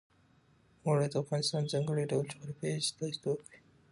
اوړي د افغانستان د ځانګړي ډول جغرافیه استازیتوب کوي.